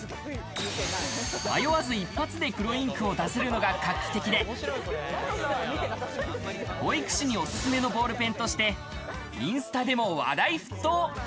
迷わず一発で黒インクを出せるのが画期的で、保育士にオススメのボールペンとして、インスタでも話題沸騰。